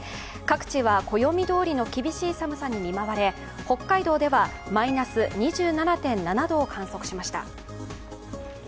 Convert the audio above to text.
各地は、暦どおりの厳しい寒さに見舞われ、北海道ではマイナス２７．７度を観測しました。